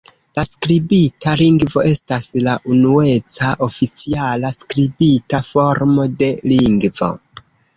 La skribita lingvo estas la unueca, oficiala skribita formo de lingvo.